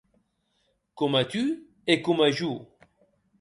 Coma tu e coma jo.